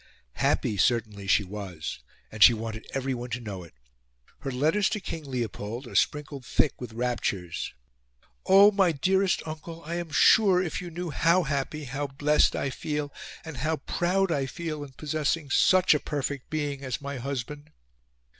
Happy, certainly, she was; and she wanted everyone to know it. Her letters to King Leopold are sprinkled thick with raptures. "Oh! my dearest uncle, I am sure if you knew HOW happy, how blessed I feel, and how PROUD I feel in possessing SUCH a perfect being as my husband..."